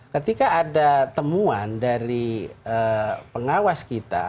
ketika ada temuan dari pengawas kita